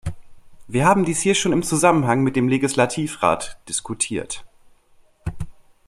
Wir haben dies hier schon im Zusammenhang mit dem Legislativrat diskutiert.